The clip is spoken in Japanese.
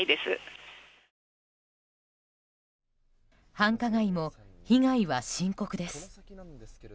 繁華街も被害は深刻です。